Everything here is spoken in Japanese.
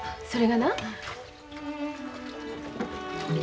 それがな。